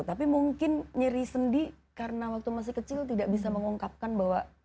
tapi mungkin nyeri sendi karena waktu masih kecil tidak bisa mengungkapkan bahwa